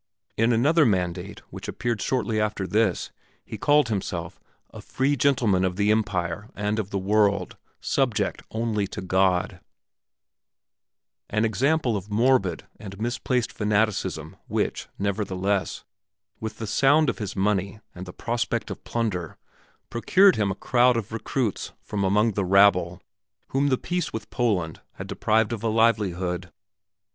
In another mandate which appeared shortly after this he called himself "a free gentleman of the Empire and of the World, subject only to God" an example of morbid and misplaced fanaticism which, nevertheless, with the sound of his money and the prospect of plunder, procured him a crowd of recruits from among the rabble, whom the peace with Poland had deprived of a livelihood.